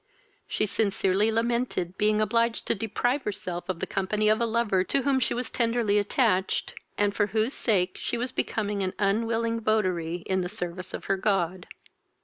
She sincerely lamented being obliged to deprive herself of the company of a lover to whom she was tenderly attached, and for whose sake she was become an unwilling votary in the service of her God.